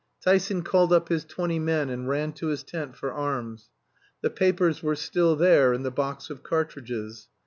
Tyson called up his twenty men and ran to his tent for arms. The papers were still there in the box of cartridges.